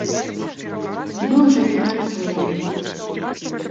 Мы ўжо не працуем.